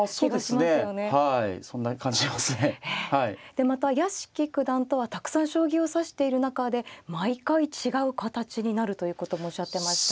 でまた屋敷九段とはたくさん将棋を指している中で毎回違う形になるということもおっしゃってました。